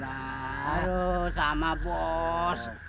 aduh sama bos